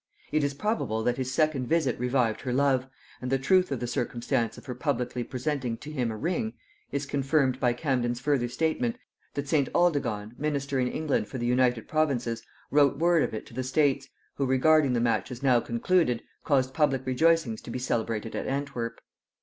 It is probable that his second visit revived her love; and the truth of the circumstance of her publicly presenting to him a ring, is confirmed by Camden's further statement, that St. Aldegond, minister in England for the United Provinces, wrote word of it to the States, who, regarding the match as now concluded, caused public rejoicings to be celebrated at Antwerp.